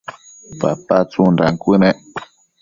papa tsundan cuënec